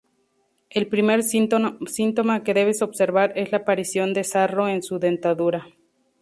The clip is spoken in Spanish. El primer síntoma que debes observar es la aparición de sarro en su dentadura.